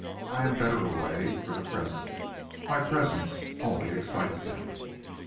I am better away, for the present. My presence only excites him." Mr.